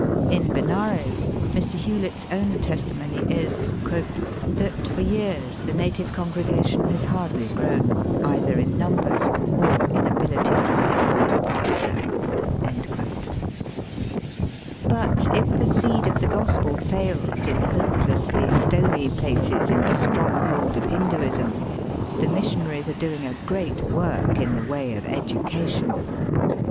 In Benares, Mr. Hewlett's own testimony is "that for years the native con gregation has hardly grown, either in numbers or in ability to support a pastor." But if the seed of the gospel fails in hope lessly stony places in the stronghold of Hin duism the missionaries are doing a great work in the way of education.